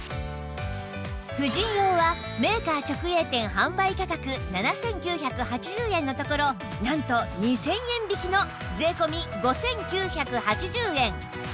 婦人用はメーカー直営店販売価格７９８０円のところなんと２０００円引きの税込５９８０円